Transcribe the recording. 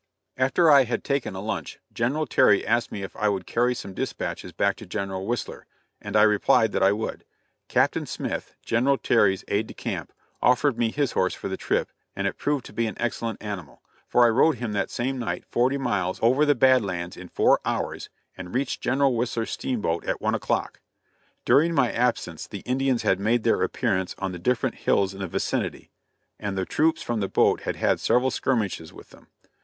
After I had taken a lunch, General Terry asked me if I would carry some dispatches back to General Whistler, and I replied that I would. Captain Smith, General Terry's aid de camp, offered me his horse for the trip, and it proved to be an excellent animal; for I rode him that same night forty miles over the bad lands in four hours, and reached General Whistler's steamboat at one o'clock. During my absence the Indians had made their appearance on the different hills in the vicinity, and the troops from the boat had had several skirmishes with them.